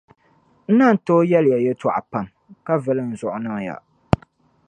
N naan tooi yɛli ya yɛtɔɣa pam, ka vili n zuɣu niŋ ya.